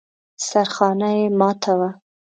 سرخانه يې ماته وه.